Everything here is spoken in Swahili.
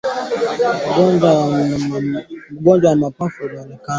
Ugonjwa wa mapafu hutokea kwa sababu ya mfadhaiko kutokana na mabadiliko ya majira